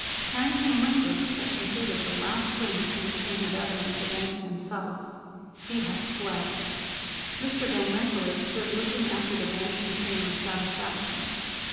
Harrington Winthrop had completed the last link in the chain of evidence against him: he had fled. Mr. Van Rensselaer stood looking after the vanishing train with satisfaction.